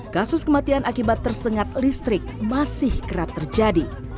kasus kematian akibat tersengat listrik masih kerap terjadi